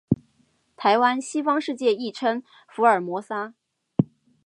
台湾，西方世界亦称福尔摩沙。